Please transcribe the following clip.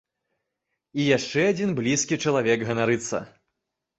І яшчэ адзін блізкі чалавек ганарыцца.